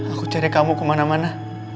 aku cari kamu kemana mana